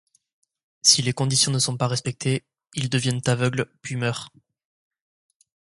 Si les conditions ne sont pas respectées, ils deviennent aveugles puis meurent.